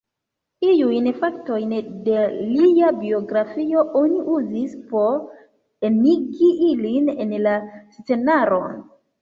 Iujn faktojn de lia biografio oni uzis por enigi ilin en la scenaron.